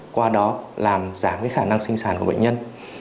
qua đó làm giảm khả năng sinh sản của bệnh nhân